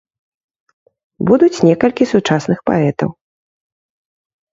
Будуць некалькі сучасных паэтаў.